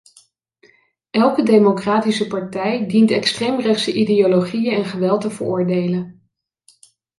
Elke democratische partij dient extreemrechtse ideologieën en geweld te veroordelen.